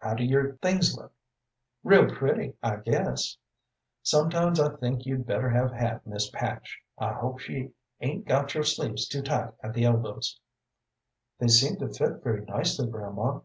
"How do your things look?" "Real pretty, I guess." "Sometimes I think you'd better have had Miss Patch. I hope she 'ain't got your sleeves too tight at the elbows." "They seem to fit very nicely, grandma."